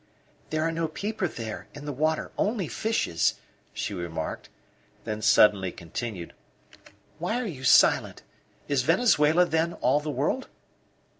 "There are no people there in the water; only fishes," she remarked; then suddenly continued: "Why are you silent is Venezuela, then, all the world?"